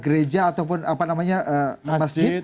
gereja ataupun apa namanya masjid